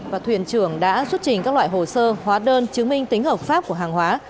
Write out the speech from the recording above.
và thuyền trưởng đã xuất trình các loại hồ sơ hóa đơn chứng minh tính hợp pháp của hàng hóa